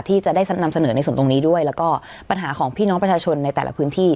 ที่จะได้นำเสนอในส่วนตรงนี้ด้วยแล้วก็ปัญหาของพี่น้องประชาชนในแต่ละพื้นที่